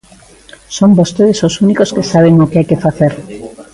Son vostedes os únicos que saben o que hai que facer.